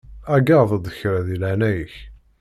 Ɛeyyeḍ-d kra di leɛnaya-k.